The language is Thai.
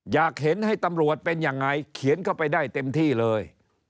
อยากเห็นให้ตำรวจเป็นยังไงเขียนเข้าไปได้เต็มที่เลย